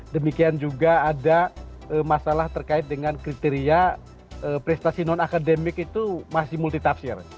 demikian juga ada masalah terkait dengan kriteria prestasi non akademik itu masih multitafsir